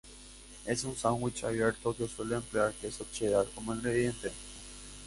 Es un sándwich abierto que suele emplear queso cheddar como ingrediente.